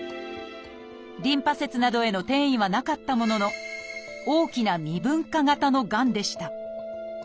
リンパ節などへの転移はなかったものの大きな未分化型のがんでした。